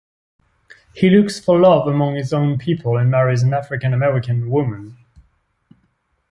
He looks for love among his own people and marries an African-American woman.